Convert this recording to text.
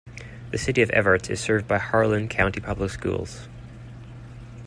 The city of Evarts is served by Harlan County Public Schools.